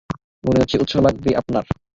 মনে হচ্ছে উৎসাহ লাগবে আপনার!